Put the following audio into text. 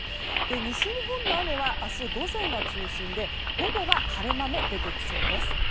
西日本の雨は明日午前が中心で午後は晴れ間も出てきそうです。